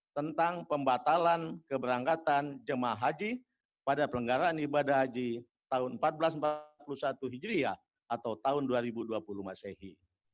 tentang pembatalan keberangkatan jemaah haji pada pelenggaraan ibadah haji tahun seribu empat ratus empat puluh satu hijriah atau tahun dua ribu dua puluh masehi